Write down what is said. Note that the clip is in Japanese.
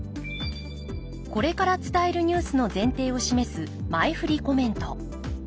これから伝えるニュースの前提を示す前振りコメント。